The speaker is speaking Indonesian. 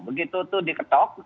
begitu itu diketok